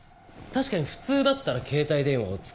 確かに普通だったら携帯電話を使う。